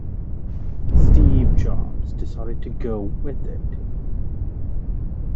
Steve Jobs decided to go with it.